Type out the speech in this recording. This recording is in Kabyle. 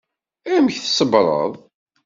Amek tṣebbreḍ?